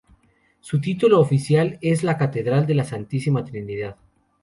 Su título oficial es la "Catedral de la Santísima Trinidad".